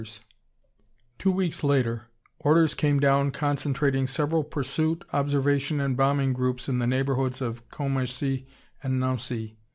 2 Two weeks later orders came down concentrating several pursuit, observation and bombing groups in the neighborhoods of Commercy and Nancy.